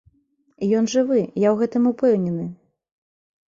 Ён жывы, я ў гэтым упэўнены.